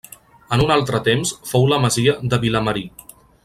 En un altre temps fou la masia de Vilamarí.